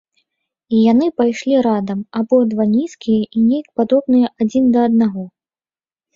І яны пайшлі радам, абодва нізкія і нейк падобныя адзін да аднаго.